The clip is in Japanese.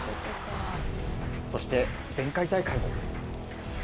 そして、前回大会も。